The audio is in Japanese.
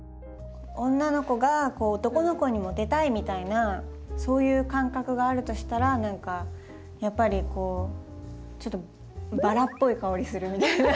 女の子が男の子にモテたいみたいなそういう感覚があるとしたら何かやっぱりこうちょっとバラっぽい香りするみたいな。